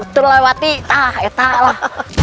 terlewati tah etalah